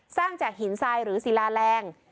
สร้างจากหินทรายหรือศิลาแรง